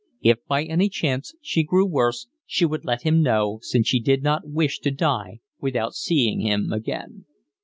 If by any chance she grew worse she would let him know, since she did not wish to die without seeing him again.